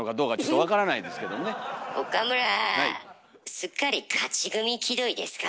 すっかり勝ち組気取りですか。